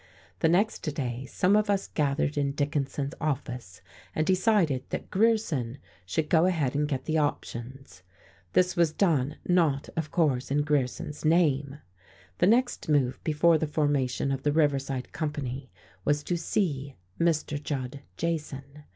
The next day some of us gathered in Dickinson's office and decided that Grierson should go ahead and get the options. This was done; not, of course, in Grierson's name. The next move, before the formation of the Riverside Company, was to "see" Mr. Judd Jason.